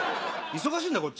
忙しいんだこっち。